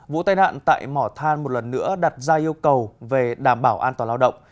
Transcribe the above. vụ tai nạn tại mỏ than một lần nữa đặt ra yêu cầu về đảm bảo an toàn lao động